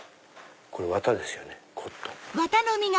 これワタですよねコットン。